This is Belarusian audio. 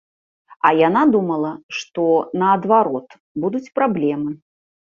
А яна думала, што, наадварот, будуць праблемы.